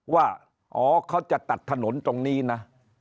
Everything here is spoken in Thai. ว่าอ๋อเขาจะตัดถนนตรงนี้นะ